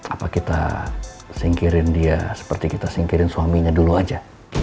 apa kita singkirin dia seperti kita singkirin suaminya dulu aja